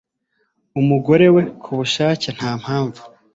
umugore we ku bushake nta mpamvu